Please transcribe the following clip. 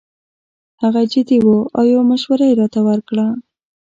هغه جدي وو او یو مشوره یې راته ورکړه.